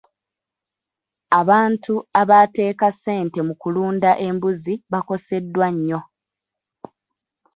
Abantu abaateeka ssente mu kulunda embizzi bakoseddwa nnyo.